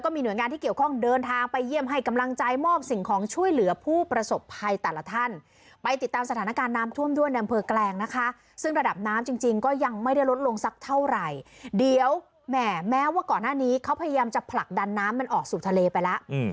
ไม่ได้ลดลงสักเท่าไหร่เดี๋ยวแหมแม้ว่าก่อนหน้านี้เขาพยายามจะผลักดันน้ำมันออกสู่ทะเลไปแล้ว